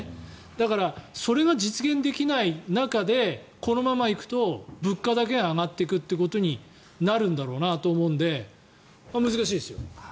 だからそれが実現できない中でこのままいくと物価だけが上がっていくということになるんだろうなと思うので難しいですよ。